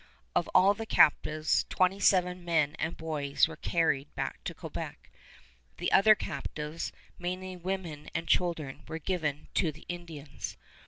Of the captives, twenty seven men and boys were carried back to Quebec. The other captives, mainly women and children, were given to the Indians.